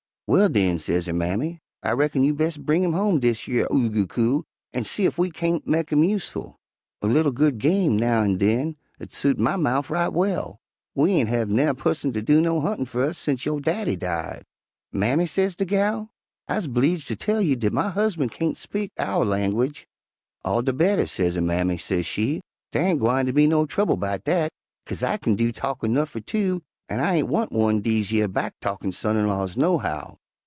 'Well, den,' sez her mammy, 'I reckon you bes' bring home dish yer Oo goo coo an' see ef we kain't mek him useful. A li'l good game, now an' den, 'ud suit my mouf right well. We ain' have nair' pusson ter do no huntin' fer us sence yo' daddy died.' "'Mammy,' sez de gal, 'I'se 'bleeged ter tell you dat my husban' kain't speak ow' langwidge.' "'All de better,' sez her mammy, sez she. 'Dar ain' gwine be no trouble 'bout dat, 'kase I kin do talkin' 'nuff fer two, an' I ain' want one dese yer back talkin' son in laws, nohow.'